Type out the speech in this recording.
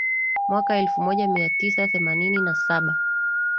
mwaka elfu moja mia tisa themanini na saba